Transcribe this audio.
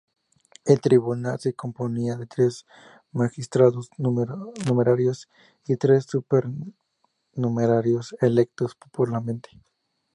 El Tribunal se Componía de tres magistrados numerarios y tres supernumerarios, electos popularmente.